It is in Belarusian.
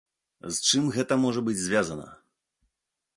З чым гэта можа быць звязана?